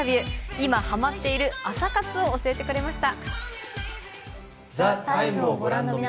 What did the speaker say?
今ハマっている朝活を教えてくれました。